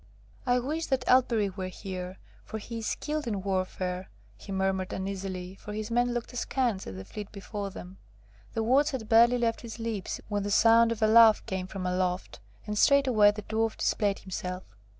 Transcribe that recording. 'I would that Elberich were here, for he is skilled in warfare,' he murmured uneasily, for his men looked askance at the fleet before them. The words had barely left his lips when the sound of a laugh came from aloft, and straightway the Dwarf displayed himself.